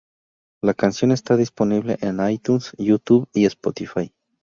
La canción está disponible en iTunes, YouTube y Spotify.